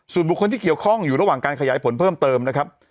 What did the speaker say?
ส่วนบุคคลที่เกี่ยวข้องอยู่ระหว่างการขยายผลเพิ่มเติมนะครับ